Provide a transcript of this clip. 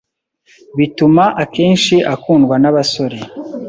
bituma akenshi akundwa n’abasore